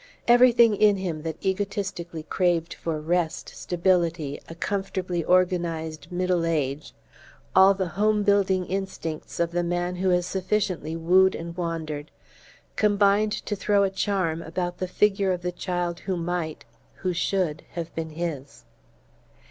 Everything in him that egotistically craved for rest, stability, a comfortably organized middle age, all the home building instincts of the man who has sufficiently wooed and wandered, combined to throw a charm about the figure of the child who might who should have been his.